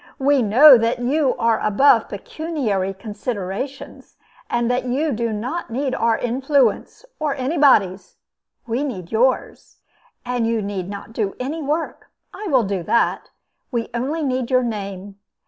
We know that you are above pecuniary considerations, and that you do not need our influence, or anybody's. We need yours. And you need not do any work. I will do that. We only need your name.